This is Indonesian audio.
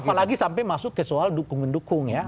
apalagi sampai masuk ke soal dukung mendukung ya